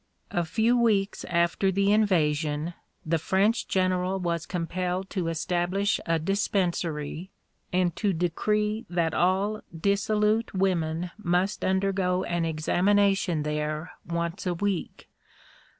A few weeks after the invasion, the French general was compelled to establish a Dispensary, and to decree that all dissolute women must undergo an examination there once a week.